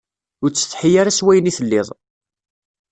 Ur ttsetḥi ara s wayen i telliḍ.